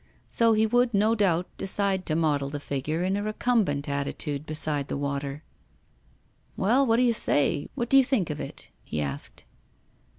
So he would, no doubt, decide to model the figure in a recumbent attitude beside the water. 'Well, what do you say what do you think of it?' he asked.